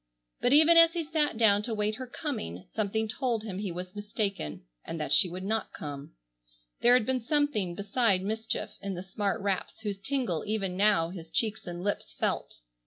But even as he sat down to wait her coming, something told him he was mistaken and that she would not come. There had been something beside mischief in the smart raps whose tingle even now his cheeks and lips felt.